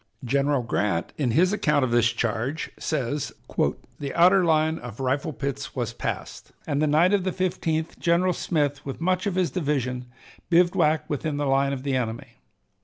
General Grant, in his account of this charge, says: "The outer line of rifle pits was passed, and the night of the 15th General Smith, with much of his division, bivouacked within the line of the enemy.